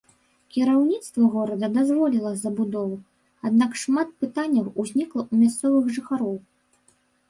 Кіраўніцтва горада дазволіла забудову, аднак шмат пытанняў узнікла ў мясцовых жыхароў.